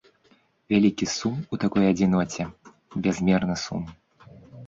Вялікі сум у такой адзіноце, бязмерны сум.